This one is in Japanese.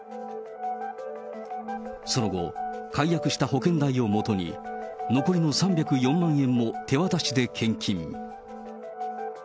その後、解約した保険代をもとに、残りの３０４万円を手渡しで献金。